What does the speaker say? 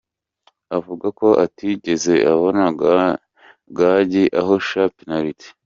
Avuga ko atigeze abona Gangi ahusha penaliti.